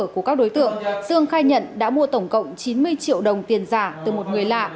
của các đối tượng dương khai nhận đã mua tổng cộng chín mươi triệu đồng tiền giả từ một người lạ